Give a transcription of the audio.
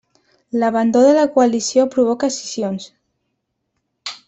L'abandó de la coalició provoca escissions.